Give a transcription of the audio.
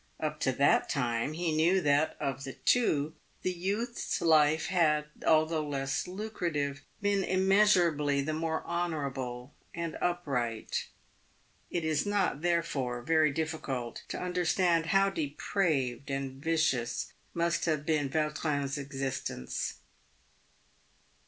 Up to that time, he knew that, of the two, the youth's life had, although less lucrative, been immeasurably the more honourable and upright. It is not, therefore, very difficult to understand how depraved and vicious must have been Vautrin's existence.